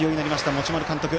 持丸監督。